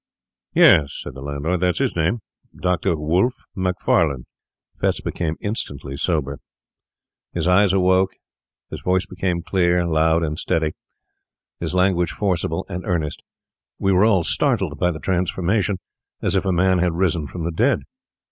'Yes,' said the landlord, 'that's his name, Doctor Wolfe Macfarlane.' Fettes became instantly sober; his eyes awoke, his voice became clear, loud, and steady, his language forcible and earnest. We were all startled by the transformation, as if a man had risen from the dead.